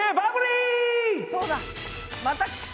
そうだ。